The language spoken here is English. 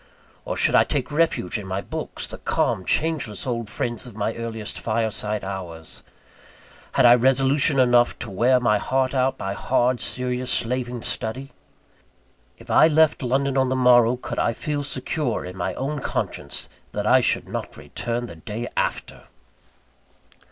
Or should I take refuge in my books the calm, changeless old friends of my earliest fireside hours? Had I resolution enough to wear my heart out by hard, serious, slaving study? If I left London on the morrow, could I feel secure, in my own conscience, that I should not return the day after!